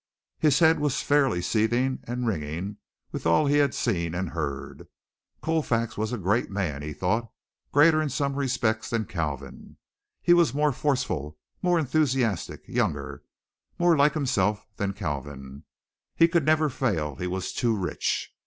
His head was fairly seething and ringing with all he had seen and heard. Colfax was a great man, he thought, greater in some respects than Kalvin. He was more forceful, more enthusiastic, younger more like himself, than Kalvin. He could never fail, he was too rich.